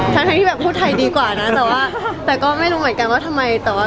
ทั้งที่แบบพูดไทยดีกว่าแต่แบบไม่รู้เหมือนกันแล้วทำไม